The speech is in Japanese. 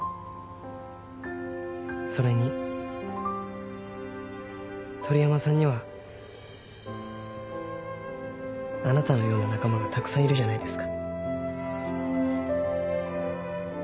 それに鳥山さんにはあなたのような仲間がたくさんいるじゃないですか。